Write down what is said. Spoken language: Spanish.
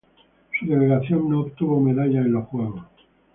Su delegación no obtuvo medallas en los juegos.